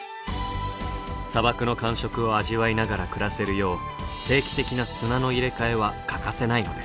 砂漠の感触を味わいながら暮らせるよう定期的な砂の入れ替えは欠かせないのです。